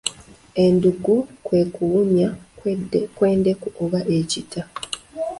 Eddugge kwe kuwunya kw'endeku oba ekita.